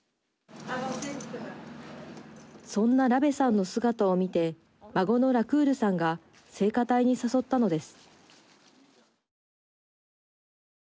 そんなラベさんの姿を見て孫のラクールさんが聖歌隊に誘ったのです。